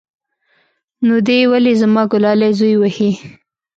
نو دى ولې زما گلالى زوى وهي.